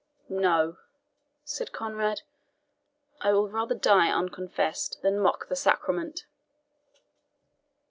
"No," said Conrade, "I will rather die unconfessed than mock the sacrament."